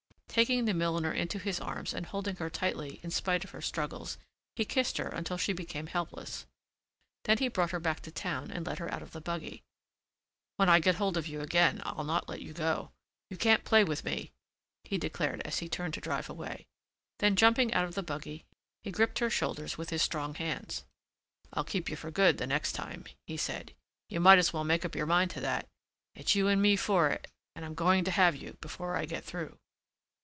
Taking the milliner into his arms and holding her tightly in spite of her struggles, he kissed her until she became helpless. Then he brought her back to town and let her out of the buggy. "When I get hold of you again I'll not let you go. You can't play with me," he declared as he turned to drive away. Then, jumping out of the buggy, he gripped her shoulders with his strong hands. "I'll keep you for good the next time," he said. "You might as well make up your mind to that. It's you and me for it and I'm going to have you before I get through."